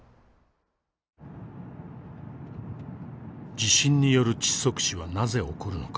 地震による窒息死はなぜ起こるのか。